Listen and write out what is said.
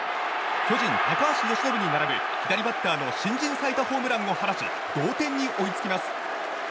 巨人、高橋由伸に並ぶ左バッターの新人最多ホームランを放ち同点に追いつきます。